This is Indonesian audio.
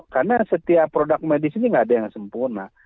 karena setiap produk medis ini nggak ada yang sempurna